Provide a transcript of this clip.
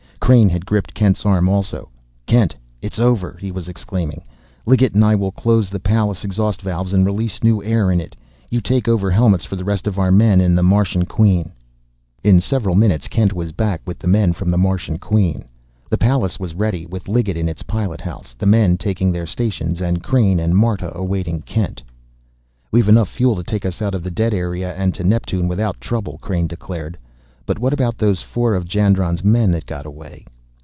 Crain had gripped Kent's arm also. "Kent, it's over!" he was exclaiming. "Liggett and I will close the Pallas' exhaust valves and release new air in it. You take over helmets for the rest of our men in the Martian Queen." In several minutes Kent was back with the men from the Martian Queen. The Pallas was ready, with Liggett in its pilot house, the men taking their stations, and Crain and Marta awaiting Kent. "We've enough fuel to take us out of the dead area and to Neptune without trouble!" Crain declared. "But what about those four of Jandron's men that got away?"